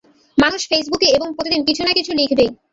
মানুষ ফেসবুকে এবং প্রতিদিন কিছু না কিছু লিখবেই।